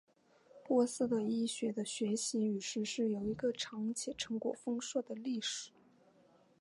波斯的医学的学习与实施有一个长且成果丰硕的历史。